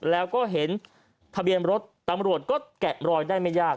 แล้วก็เห็นทะเบียนรถตำรวจก็แกะรอยได้ไม่ยาก